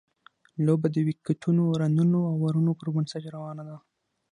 لوبه د ویکټونو، رنونو او اورونو پر بنسټ روانه ده.